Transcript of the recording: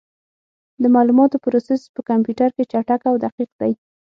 د معلوماتو پروسس په کمپیوټر کې چټک او دقیق دی.